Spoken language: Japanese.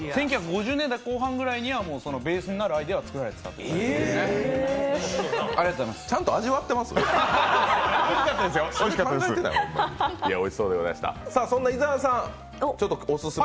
１９５０年代後半ぐらいにはベースになるアイデア作られていたそうです。